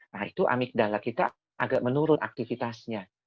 nah itu amigdala kita agak menurun aktivitasnya